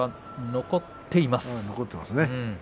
残っていますね。